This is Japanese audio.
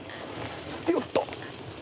よっと！